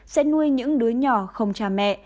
sẽ nuôi những đứa nhỏ không cha mẹ